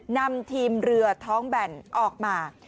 นำทีมเรือท้องแบนออกมา